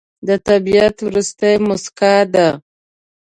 د طبیعت وروستی موسکا ده